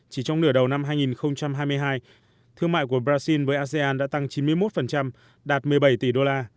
chỉ trong nửa đầu năm hai nghìn hai mươi hai thương mại của brazil với asean đã tăng chín mươi một đạt một mươi bảy tỷ đô la